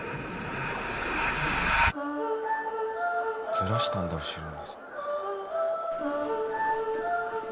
ずらしたんだ後ろに。